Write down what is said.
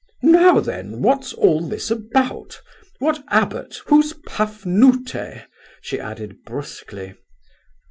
"Now then, what's all this about?—What abbot—Who's Pafnute?" she added, brusquely.